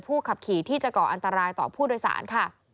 ขับขี่ที่จะก่ออันตรายต่อผู้โดยสารค่ะ